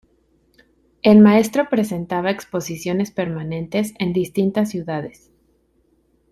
El maestro presentaba exposiciones permanentes en distintas ciudades.